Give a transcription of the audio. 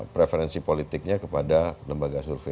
preferensi politiknya kepada lembaga survei